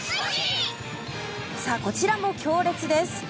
さあ、こちらも強烈です。